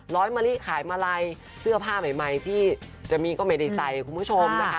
มะลิขายมาลัยเสื้อผ้าใหม่ที่จะมีก็ไม่ได้ใส่คุณผู้ชมนะคะ